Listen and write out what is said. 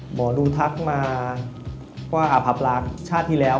หมอดูทักมาว่าอภรางชาติที่แล้ว